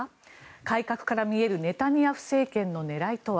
改革から見えるネタニヤフ政権の狙いとは。